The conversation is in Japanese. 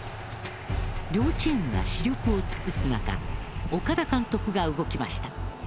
両チームが死力を尽くす中岡田監督が動きました。